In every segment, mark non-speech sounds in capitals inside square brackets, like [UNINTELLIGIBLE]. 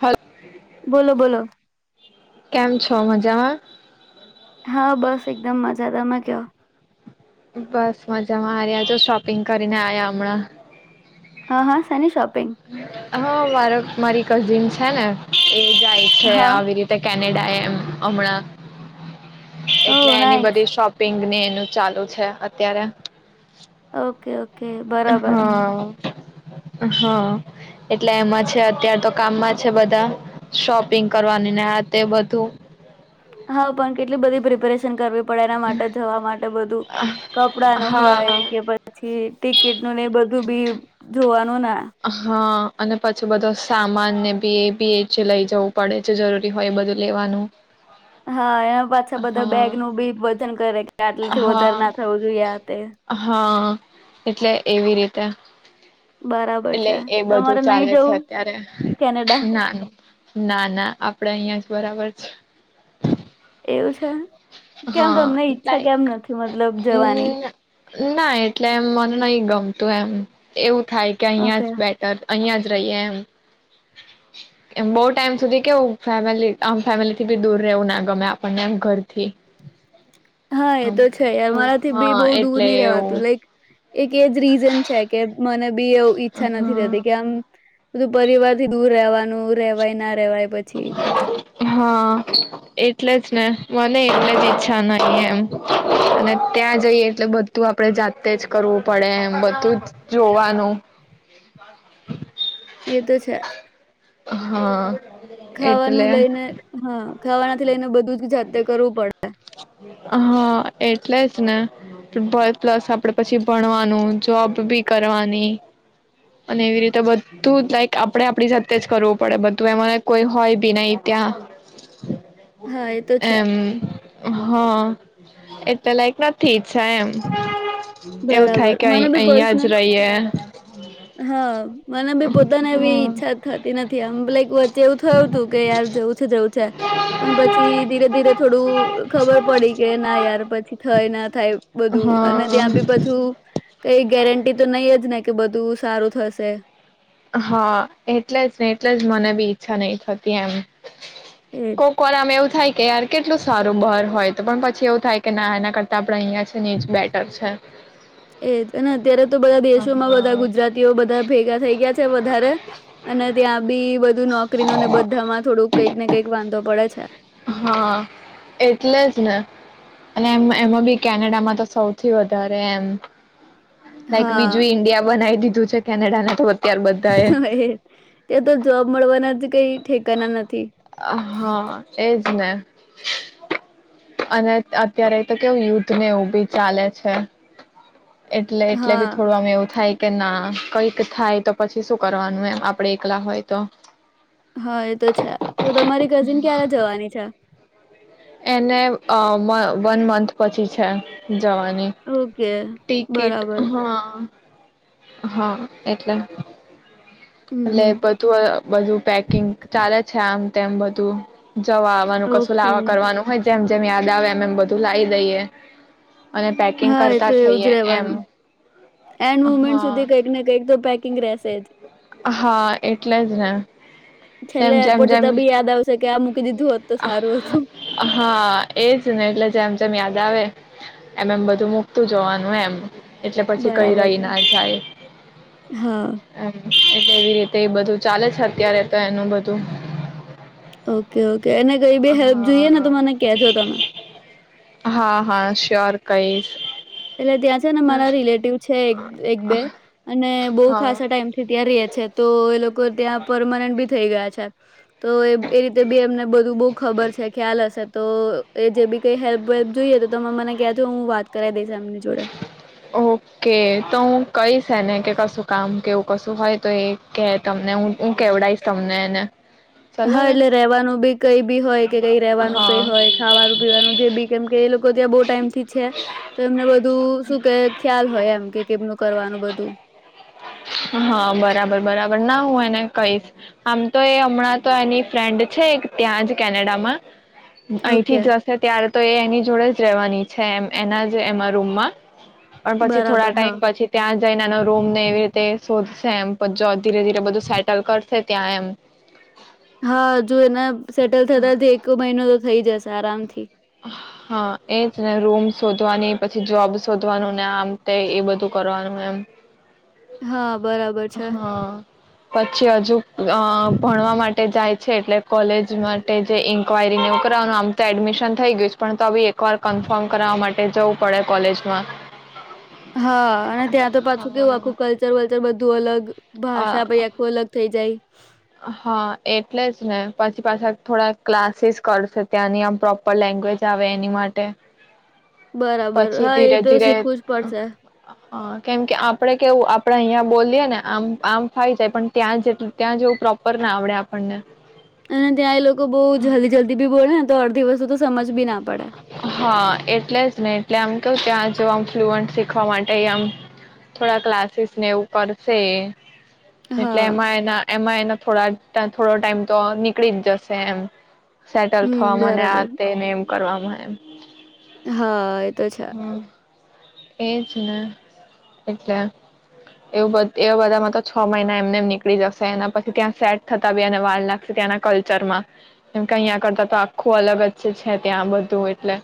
Hello બોલો બોલો. છ મજમાં. હા બસ એકદમ મજા તમે કહો બસ મજામાં આયાજો શોપિંગ કરીને આયા હમણાં હા હા સૈની શોપ હ. હા મારે મારી કઝિન છે ને જાય છે હા આવી રીતે અને ડાયમ અમણાક એટલે ઓહ એની નાઈસ બધી શોપિંગ ને ચાલુ છે અત્યારે ઓકે ઓકે. બરાબર હા. હા એટલે એમાં છે અત્યાર તો કામમાં છે બધા શોપિંગ કરવાની ને આ તે બધું હા પણ કેટલી બધી પ્રિપેરેશન કરવી ડ એના માટે જવા માટે બધું કપડાનું હા. હોય કે પછી ટિકિટ નું ને બધું બી જોવાનું ના હા. અને પછી બધો સામાનને બી એ બી એ જ લઈ જવું પડે છે જરૂરી હોય એ બધું લેવાનું. હા એ. પાછા બધા હા બેગ નું બી વજન કરે કે આટલી થી વધારે હા ના થવું જોઈએ તે હા એટલે એવી રીતે. બરાબર એટલે છે એ બધું તમારે નહી ચાલે છે જવું અત્યારે કેનેડા ના ના ના આપડે અહિયાં. બરાબર છે. એવુ છ. કેમ હા તમને ઈચ્છા લાઈક કેમ નથી મતલબ જવાની. હમ ના એટલે એમ મને નહી ગમતું એમ એવું. થાય કે અહિયાં ઓકે જ બેટર અહિયાં જ રહીએ એમ એમ બહુ ટાઈમ સુધી કેવું ફેમિલી આમ ફેમિલી થી બી દૂર રહેવું ના ગમે આપણને ઘર પછી હા એ તો છે યાર મારાથી બી હા બહુ દૂર એટલે નહી રવાતું એવું લાઈક એક એ જ રીઝન છે કે મને બી એવ ઈચ્છા નથી હા થતી કે આમ બધું પરિવાર થી દૂર રહેવાનું રહેવાય ના રેવાય પછી હા એટલે જ ને મને એટલે જ ઈચ્છા નહી એમ અને ત્યાં જઈએ એટલે બધું આપડે જાતે જ કરવું પડે એમ બધું જ જોવાનું [INAUDIBLE] એ તો છે હા એટલે ખાવાનું લઈને હા ખાવાનાથી લઈને બધું જ જાતે કરવું પડે હા એટલે જ ને પ્લસ આપડે પછી ભણવાનું જોબ બી કરવાની અને એવી રીતે બધું લાઈક આપડે આપડી સાથે જ કરવું પડે બધું એમાં કોઈ હોય બી નઈ ત્યાં હા એ તો છે એમ હા એટલે લાઈક નથી ઇચ્ચા એમ એવું બરાબર થાય કે મને અહી બી અહિયાં જ પર્સનલ રહીએ હા મને બી પોતાને એ ઈચ્છા હ થતી નથી આમ લઈક વચ્ચે એવું થયું તું કે યાર જવું છે જવું છે પણ પછી ધીરે ધીરે થોડું ખબર પડી કે ના યાર પછી થાય ના થાય બધું અને હા ત્યાં બી પછું કઈ ગેરંટી તો નહી જ ને કે બધું સારું થશે હા એટલે જ ને એટલે જ મને બી ઈચ્છા નહી થતી એમ એજ કોકવાર એમ એવું થાય કે યાર કેટલું સારું બાર હોય તો પણ પછી એવું થાય કે ના એના કરતા આપડે અહિયાં છે ને એજ બેટર છે એજ અને અત્યારે તો બધા દેશોમાં બધા ગુજરાતીઓ બધા ભેગા થઈ ગયા છે વધારે અને ત્યાં બી બધું નોકરી નને બધામાં થોડું કંઈક ને કંઈક વાંધો પડે છે હા એટલે જ ને અને એમ એમાં બી કેનેડામાં તો સૌથી વધારે એમ લાઈક હા બીજું ઇન્ડિયા બનાવી દીધું છે કેનેડા તો અત્યાર હ બધા એ ત્યાં તો જોબ મળવાનાથી કઈ ઠકના નથી હા એજ અને અને અત્યારે તો કેવું યુદ્ધ નેવ બી ચાલે છે એટલે એટલે બી હા થોડું આમ એવું થાય કે ના કઈક થાય તો પછી શું કરવાનું એમ આપડે એકલા હોય તો હા એ તો છે તો તમારી કઝિન ક્યારે જવાની છે એને અ મ વન મંથ પછી છે જવાની ઓકે ટિકિટ બરાબર હા હા એટલે હમ એટલે હમ બધું બધું પેકિંગ ચાલે છેમ તેમ બધું જવા આવવાનું કશું ઓકે લાવ કરવાનું હોય જેમ જેમ યાદ આવે એમ અમેમ બધું લાવી દઈએ અને પેકિંગ હા એ કરતા તો એવું જ થઈએ એમ રવાનું એન્ડ મુમેન્ટ હા સુધી કંઈક ને કંઈક તો પેકિંગ ર થદ [UNINTELLIGIBLE] હા એટલે જ ને છેલ્લે તેમમ જેમ એરપોર્ટ જેમ જતા બી યાદ આવશે કે આ મૂકી દીધું હોત તો સારું હતું હા એજ ને એટલે જેમ જેમ યાદ આવે એમ એમ બધું મુકતું જવાનું એમ એટલે પછી કઈ બરાબર રહી છે ના થાય હા એટલે એવી રીતે એ બધું ચાલે છે અત્યારે તો એનું બધું ઓકે ઓકે એને કઈ બી હેલ્પ જોઈએ ને તો મને કજો તમે હા હા શ્યોર કઈશ એટલે ત્યાં છે ને મારા રિલેટિવ છે છે એક એક બે અને બહુ હા ખાસા ટાઈમ થી ત્યાં રે છે તો એ લોકો ત્યાં પરમાનન્ટ બી થઈ ગયા છે [INAUDIBLE] તો એ એ રીતે બી એમને બધું બહુ ખબર છે ખ્યાલ હશે તો એ જે બી કઈ હેલ્પ વેલ્પ જોઈએ તો તમે મને ક્યાં જો હું વાત કરાવ દઈશ [INAUDIBLE] ઓકે તો હું કઈ... ને કે કશું કામ કેવું કશું હોય તો એ કે તમને હું હું કેવડઈશ તમને એને ચાલો હા ને એટલે રેવાનું બી કઈ બ હોય ક રવાનું ક હા હોય ખવાનું પીવાનું જે બી કેમ એ ત્યા બ ટાઈમથી છે તો એમને બધું શયમમ કરવાનું બ હા બરાબર બરાબર ના હું એને કહીશ આમ તો. એ હમણાં તો એની ફ્રેન્ડ છે. એક ત્યાં જ કેનેડા માં અહીંથી ઓકે જશે ત્યારે? તો એ એની જોડે જ રહેવાની છે? એમ એના જ એમાં રૂમમાં. પણ પછી થોડા બરાબર હા ટાઈમ પછી. ત્યાં જઈનેનો રૂમ ને એવી રીતે! શોધશે એમ. ધીરે ધીરે બધું સેટલ કરશે ત્યાં એમ. હા જો એને? સેટલ થતા જ એક મહિનો તો થઈ જશે. સ. આરાામથી. હા એજ ને રૂમ શોધવાની પછી જોબ શોધવાનું ને આમ તે એ બધું કરવાનું એમ હા બરાબર છે હા પછી હજુ અ? ભણવા માટે જાય છે એટલે. કોલેજ માટે જે. ક્યાંઈ ન એવું કરવાનું આમ તો એડમિશન. થઈ ગયું છે પણ તવી એક કોર કન્ફર્મ કરવા માટે એ જવું પડે કોલેજમાં. હા અને ત્યાં તો પાછું કેવું આખું કલ્ચર વલ્ચર બધું અલગ. અ ભાષા ભાઈ આખું અલગ થઈ. એ જાય. હા એટલે જ ને પછી પાછા થોડા ક્લાસીસ કરશે ત્યાંની આમ પ્રોપર લેંગ્વેજ આવે એની માટે? બરાબર પછી હા એ તો શીખવું જ પડશે? હ કેમ કે આપડે કેવું આપડે અહિયાં બોલીએ ને આમ આમ ફાઈ જાય પણ ત્યાં જેટલુ ત્યાં જેવું પ્રોપર ના આવડે આપણને અને ત્યાં એ લોકો બહુ જલ્દી જલ્દી બી બોલે ને તો અડધી સવસ્તુ હા એટલે જ ને? એટલે આમ કહ ત્યાં જો આમ ફ્લુઅન્ટ શીખવા માટે આમ થોડા ક્લાસીસ ને એવું કરશે? એટલે હા એમાં એના એમાં એના થોડો થોડો ટાઈમ તો નીકળી જ જશે એમ? સેટલ થવા હમ્મ મને આ. બરાબર. એમ કરવાવામાં એમ? હા એ તો છે? એજ ને એટલે એવું એ બધામાં તો છ મહિના એમને નીકળી જશે એના પછી ત્યાં સેટ થતા બી અને વાર લાગશે? ત્યાંના કલ્ચર માં કેમ કે અહીં કરતા તો આખું અલગ જ છે ત્યાં બધું એટલે?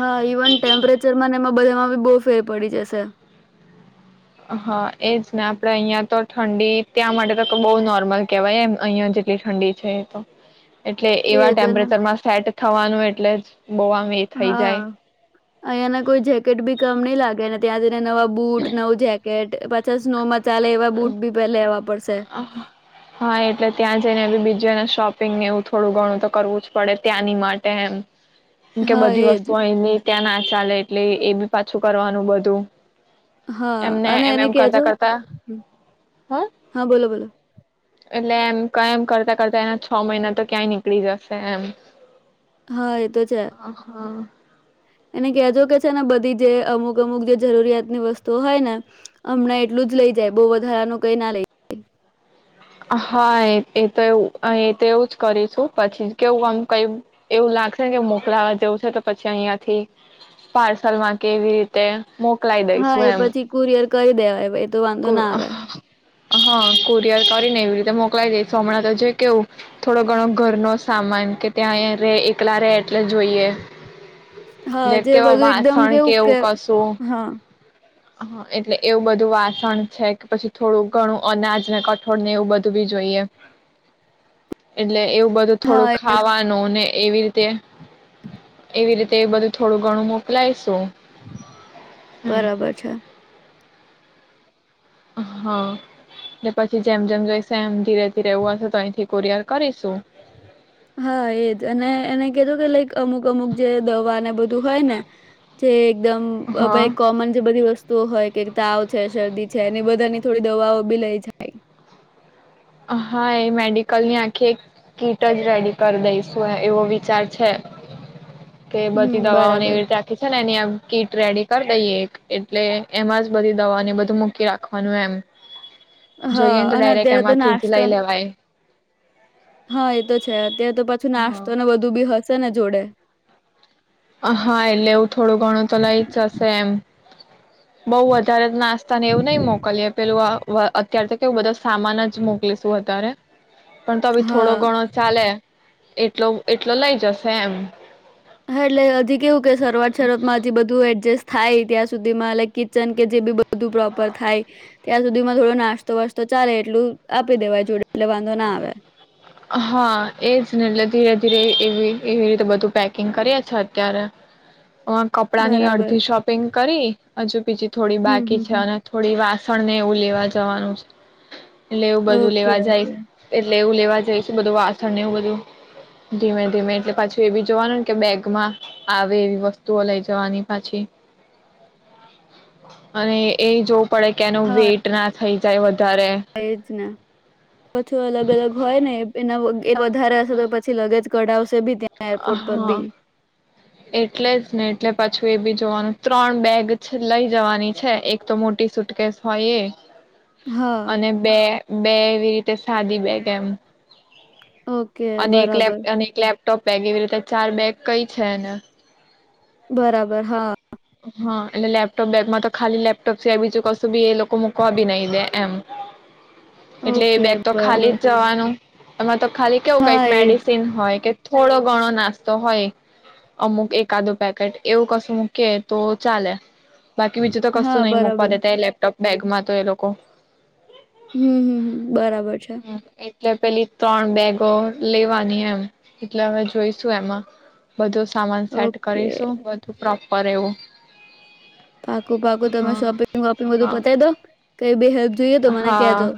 હા ઇવન ટેમ્પરેચર ને એમાં બધામાં બી બહુ ફેર પડી જશે. હા એજ ને આપણેે અહિયાં તો ઠંડી ત્યાં માટે તો બઉ નોર્મલ કેવાય એમ અહિયાં જેટલી ઠંડી છે એ તો. એટલે એવા એજ ને ટેમ્પરેચર માં સેટ થવાનું એટલે જ. બહુ આમ એ થઈ જાય હા, અહીયાંયાના કોઈ જેકેટ બી કમ નહી લાગે. ત્યાં જઈને નવા બુટ નવું જેકેટ પાછા સ્નોમાં ચાલે એવા બૂટ બી પે લેવા પડશે. હા એટલે ત્યાં જઈને એ બીજું શોપિંગ એવું થોડું ઘણું તો કરવું જ પડે ત્યાંની માટે એમ. મ કે હા બધી એજ વસ્તુ આની ત્યાં ના ચાલે એટલે એ બી પાછું કરવાનું બધું. હા એમને અને એમ એને એમ કરતા કેજો. કરતા હ હા બોલો બોલો. એટલે એમ ક એમ કરતા કરતા એના છ મહિના તો ક્યાંય નીકળી જશે એમ. હા એ તો છે. એને કહેજો કે છે ને બધી જે અમુક અમુક જે જરૂરિયાતની વસ્તુઓ હોય ને, હમણાં એટલું જ લઇ જાય બહ વધારાનું કઈ ના લઈ જાય. હા એ તો એવ એ તો એવું જ કરીશું પછી કેવું આમ કઈ એવું લાગશે ને કે મોકલાવા જેવું છે તો પછી અહિયાયાથી, પાર્સલ માં કેવી રીતે. મોકલાઈ હા એ પરથી કુરિયર કહી દેવાય. તો કો વાંધો ના આવે. હા કુરિયર કરીને એવી રીતે મોકલાઈ દઈશો હમણાં તો જે કેવું, થોડો ઘણો ઘર ન સામાન કે ત્યાં રે એકલા રે એટલે જોઈએ. હા એટલે જે કેવા બધું એકદમ વાસણ કેવું કે હા. હ એટલે એવું બધું વાસણ છે કે પછી થોડું ઘણું અનાજ ને કઠોળ ને એવું બધું બી જોઈએ, એટલે એવું બધું હા થોડું એ જ. ખાવાનું ને એવી રીતે, એવી રીતે બધું થોડું ઘણું મોકલાયશું. હમ બરાબર છે. હા, ને પછી જેમ જેમ જઈશ એમ તી રેહતી રેહવું હશે તો અયથી કુરયર કરીશું. હા, એજ અને એને કેજો કે લાઈક અમુક અમુક જે દવાને બધું હોય ને જે એકદમ અ બ હા એ કોમન જે બધી વસ્તુઓ હોય કે તાવ છે, શરદી છે એની બધાની થોડી દવાઓ બી લઈ જાય. હા, એ મેડિકલની આંખી એક કીટ જ રેડી કર દઈશું. એવો વિચાર છે, કે હમ બધી દવાઓને બરાબર એવી રીતે આખી છે ને એની આ કીટ રેડી કર દઈએ એક, એટલે એમાં જ બધી દવા ને બધું મૂકી રાખવાનું એમ. હા, જોઈએ ને તો અને ડાયરેક્ટ અત્યારે તો એમાંથી લઈ નાસ્તો લેવાય હા એતો છે અત્યારે તો પાછું નાસ્તો હા. ને બધું બી હ શેને જોડે હા એટલે એવું થોડું ઘણું તો લઈ જ હશે એમ બઉ વધારે નાસ્તા ને એવું નહી મોકલીએ પેલું અત્યારે તો કેવું બધા સામાન જ મોકલીશું અતારે પણ તો બી થોડો હા ઘણો ચાલે એટલો એટલો લઇ જશે એમ હ અટલે હજી કેવું કે શરવાત શરવાતમાં હજી બધું એડજસ્ટ થાય ત્યાં સુધી માં લે કિચન કે જે બી બધું પ્રોપર થાય ત્યાં સુધી માં થોડો નાસ્તો વાસ્તો ચાલે એટલું આપી દેવાય જોડે. એટલે વાંધો ના આવે હા એજ ને એટલે ધીરે ધીરે એ એવી રીતે બધું પેકિંગ કરીએ છે અત્યારે કપડાં ની બરાબર અડધી શોપિંગ કરી અજુ બીજી થોડી હમ હમ બાકી છે હમ. અને થોડી વાસણને એવું લેવા જવાનું છે. લેવું બધું ઓકે, લેવા જાય ઓકે. એટલે એવું લેવા જઈસ બધું વાસણ ને એવું બધું ધીમે ધીમે એટલે પાછું એ બી જોવાનુંને કે બેગમાં આવે એવી વસ્તુઓ લઈ જવાની પાછી અને એ જો પડે કે એનું હા, વેટ ના થઈ [UNINTELLIGIBLE] એ જ ને બથું અલગ અલગ હોય ને એના એ વધારે હશે તો પછી લગેજ કડાવશે તેભી ત્યાં એરપોર્ટ પર હા બી એટલે જ ને એટલે પાછું એ બી જોવાનું ત્રણ બેગ લઈ જવાની છે એક તો મોટી સુટકેસ હોય એ હા, અને બે બે એવી રીતે સાદી બેગ એમ. ઓકે અને એક લેપ બરાબર. અને એક લેપ ટોપ બેગ એવી રીતે ચાર બેગ થઈ છે. બરાબર હા. હા એટલે લેપટોપ બેગમાં તો ખાલી લેપટોપ સિવાય બીજું કશું બી એ લોકો મુૂકવા બી નહીિ દે એમ એટલે એ ઓકે બેગ તો ખાલી બરાબર. જ જવાનું. અમાં તો ખાલી કેવું કઈક હા, એજ. મેડિસિન હોય કે થોડો ઘણો નાસ્તો હોય અમુક એકાદું પેકેટ એવું કશું મૂકે તો ચાલે બાકી વિીજું તો હા, કસું નઈ મકવા બરાબર. દતા એ લેપટોપ બેગમાં તો એ લોકો હમ હમ હમ બરાબર છે એટલે પેલી ત્રણ બેગ તો લેવાની એમ એટલે હવે જોઈશું એમાં બધું સામાન સેટ ઓકે. કરીશું બધું પ્રોપર એવું પાકું પાકું તમે હા શોપિંગ વોપિંગ બધું હા બતાય દો કઈ બી હેલ્પ જોઈએ તો મને કેજો. હા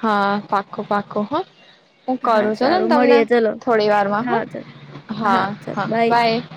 હા પાકો પાકો હા. હું હા, કરું છું ને સારું તમને મળીએ ચલો. થોડી વારમાં હ. હા, ચલ. હા હા બાય. હ [INAUDIBLE]